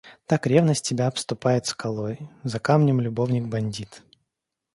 Так ревность тебя обступает скалой — за камнем любовник бандит.